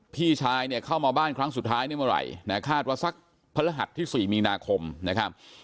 พี่ชายเนี่ยเข้ามาบ้านครั้งสุดท้ายในเมื่อไหร่นะคาดว่าสักพระหัสที่๔มีนาคมนะครับ